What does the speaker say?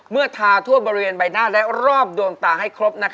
ทาทั่วบริเวณใบหน้าและรอบดวงตาให้ครบ